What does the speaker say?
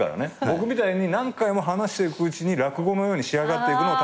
僕みたいに何回も話していくうちに落語のように仕上がっていくのを楽しむ。